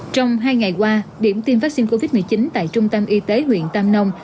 trong hai ngày qua điểm tiêm vaccine covid một mươi chín tại trung tâm y tế huyện tam nông